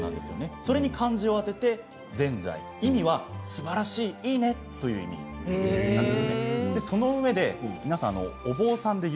それに漢字を当ててぜんざい、意味はすばらしい、いいねという意味です。